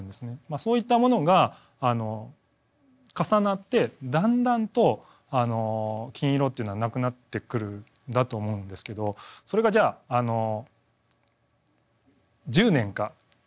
そういったものが重なってだんだんと金色というのはなくなってくるんだと思うんですけどそれがじゃあ１０年か２０年かというのでは絶対にないんです。